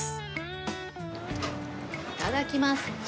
いただきます。